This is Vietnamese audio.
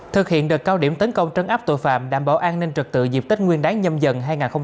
thực hiện đợt cao điểm tấn công trấn áp tội phạm đảm bảo an ninh trật tự dịp tết nguyên đáng nhâm dần hai nghìn hai mươi bốn